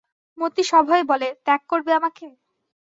মতি সভয়ে বলে, ত্যাগ করবে আমাকে?